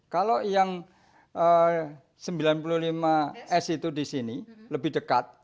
kalau yang sembilan puluh lima s itu di sini lebih dekat